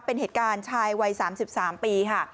เป็นเหตุการณ์ชายวัย๓๓ปีค่ะ